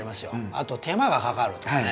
あと手間がかかるとかね。